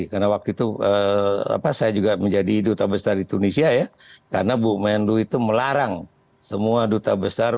karena waktu itu saya juga menjadi duta besar di tunisia ya karena bukmenlu itu melarang semua duta besar